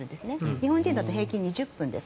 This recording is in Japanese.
日本人だと平均で２０分です。